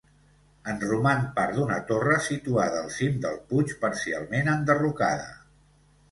En roman part d'una torre situada al cim del puig, parcialment enderrocada.